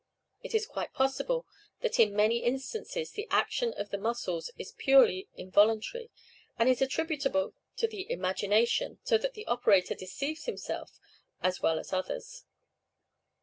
It is quite possible that in many instances the action of the muscles is purely involuntary, and is attributable to the imagination, so that the operator deceives himself as well as others.